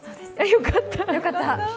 よかった。